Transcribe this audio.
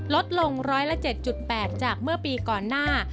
ลดลง๑๐๗๘จากเมื่อปีก่อนหน้า